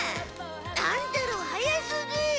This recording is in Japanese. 乱太郎速すぎ。